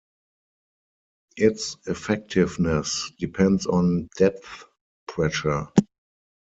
Its effectiveness depends on depth pressure.